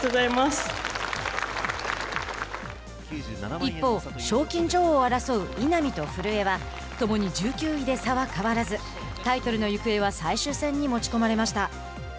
一方、賞金女王を争う稲見と古江はともに１９位で差は変わらずタイトルの行方は最終戦に持ち込まれました。